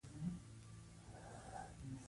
زه زدکونکې ېم